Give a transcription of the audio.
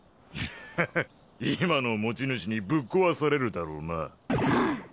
ハハッ今の持ち主にぶっ壊されるだろうなあ